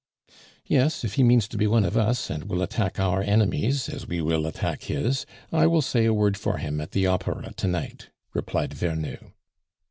"Yes, if he means to be one of us, and will attack our enemies, as we will attack his, I will say a word for him at the Opera to night," replied Vernou.